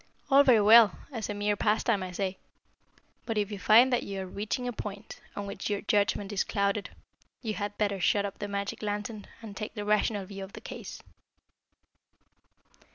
All very well, as a mere pastime, I say. But if you find that you are reaching a point on which your judgment is clouded, you had better shut up the magic lantern and take the rational view of the case."